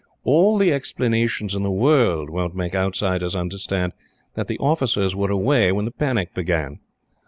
All the explanations in the world won't make outsiders understand that the officers were away when the panic began.